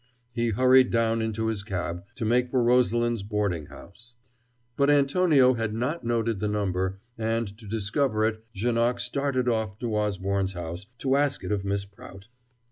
He hurried down into his cab, to make for Rosalind's boarding house. But Antonio had not noted the number, and, to discover it, Janoc started off to Osborne's house, to ask it of Miss Prout.